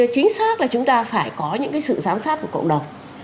chính xác là chúng ta phải có những sự giám sát của cộng đồng